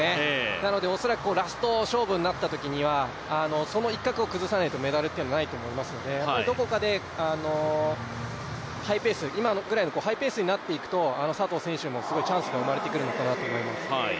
なので恐らくラスト勝負になったときには、その一角を崩さないと、メダルというのはないと思いますのでどこかで今ぐらいのハイペースになっていくと佐藤選手もチャンスが生まれてくるのかなと思います。